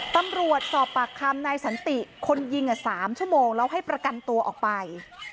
ตำรวจสอบปากคำนายสันติคนยิง๓ชั่วโมงแล้วให้ประกันตัวออกไป